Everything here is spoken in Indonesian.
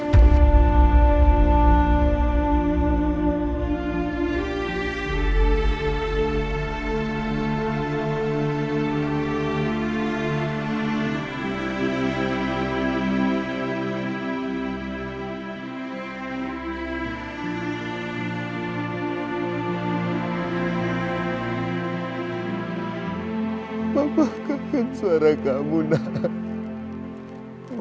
tapi enggak apa apa gbbi dari rakyat renas itu